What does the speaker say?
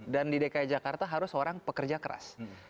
dan di dki jakarta harus seorang pekerja keras